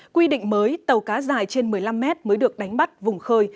quy định mới tàu cá dài trên một mươi năm mét mới được đánh bắt vùng khơi